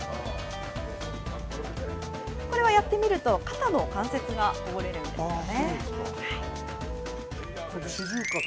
これはやってみると、肩の関節がほぐれるんですよね。